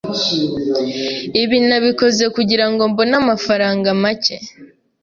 Ibi nabikoze kugirango mbone amafaranga make.